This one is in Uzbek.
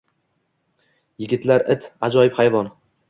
Yigitlar It - ajoyib hayvon!